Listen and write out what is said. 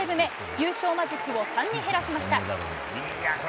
優勝マジックを３に減らしました。